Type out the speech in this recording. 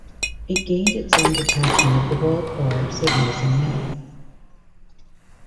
It gained its own detachment of the Royal Corps of Signals in May.